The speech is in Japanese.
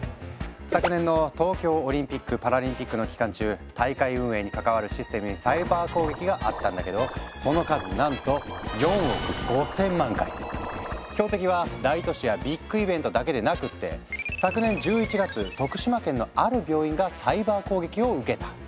昨年の東京オリンピックパラリンピックの期間中大会運営に関わるシステムにサイバー攻撃があったんだけどその数なんと標的は大都市やビッグイベントだけでなくって昨年１１月徳島県のある病院がサイバー攻撃を受けた。